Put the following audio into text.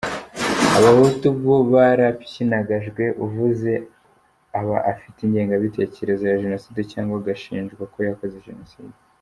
Abahutu bo barapyinagajwe uvuze aba afite ingengabitekerezo ya Genocide cyangwa agashinjwa ko yakoze Genocide.